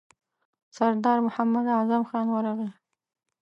سردار محمد اعظم خان ورغی.